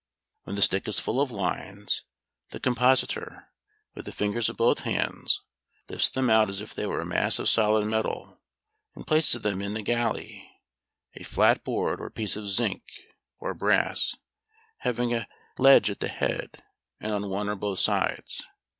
When the stick is full of lines, the compositor, with the fingers of both hands, lifts them out as if they were a mass of solid metal, and places them in the "galley," a flat board or piece of zinc or brass, having a ledge at the head, and on one or both sides.